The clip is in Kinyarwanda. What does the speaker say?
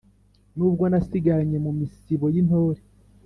N’uwo nasigaranye mu misibo y’intore,